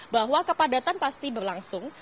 bahwa kepadatan pasti berlangsung